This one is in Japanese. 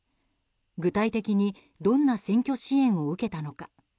具体的にどんな選挙支援を受けたのか。